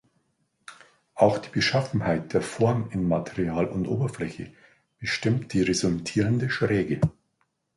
Auch die Beschaffenheit der Form in Material und Oberfläche bestimmt die resultierende Schräge.